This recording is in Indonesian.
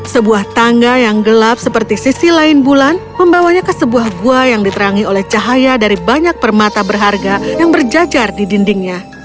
sebuah tangga yang gelap seperti sisi lain bulan membawanya ke sebuah gua yang diterangi oleh cahaya dari banyak permata berharga yang berjajar di dindingnya